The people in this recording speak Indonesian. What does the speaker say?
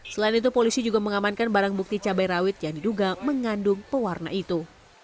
selain itu polisi juga mengamankan barang bukti cabai rawit yang diduga mengandung pewarna itu